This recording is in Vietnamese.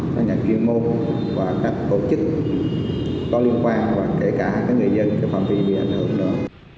các nhà chuyên môn và các tổ chức có liên quan và kể cả người dân phạm vi bị ảnh hưởng nữa